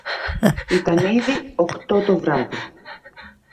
Ήταν ήδη οκτώ το βράδυ